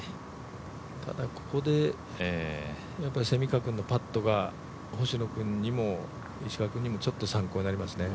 ただ、ここで蝉川くんのパットが星野君にも石川君にも参考になりますね。